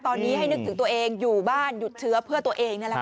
ตอนนี้ให้นึกถึงตัวเองอยู่บ้านหยุดเชื้อเพื่อตัวเองนั่นแหละค่ะ